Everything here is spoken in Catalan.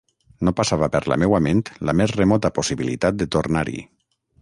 No passava per la meua ment la més remota possibilitat de tornar-hi.